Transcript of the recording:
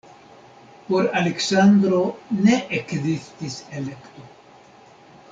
Por Aleksandro ne ekzistis elekto.